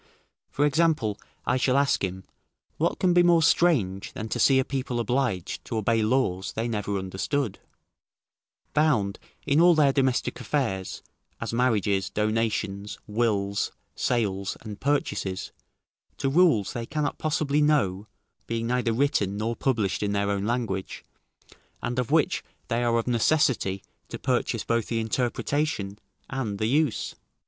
For example, I shall ask him, what can be more strange than to see a people obliged to obey laws they never understood; bound in all their domestic affairs, as marriages, donations, wills, sales, and purchases, to rules they cannot possibly know, being neither written nor published in their own language, and of which they are of necessity to purchase both the interpretation and the use?